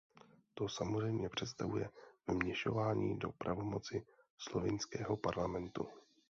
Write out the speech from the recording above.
To samozřejmě představuje vměšování do pravomoci slovinského Parlamentu.